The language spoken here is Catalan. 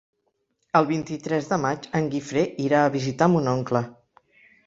El vint-i-tres de maig en Guifré irà a visitar mon oncle.